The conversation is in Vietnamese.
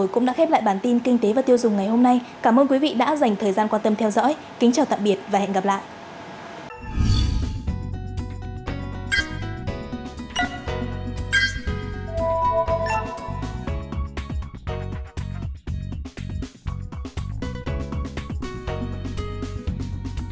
cảm ơn các bạn đã theo dõi và hẹn gặp lại